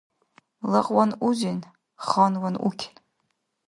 Лагъван узен, ханван укен.